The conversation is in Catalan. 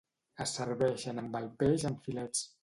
Es serveixen amb el peix en filets.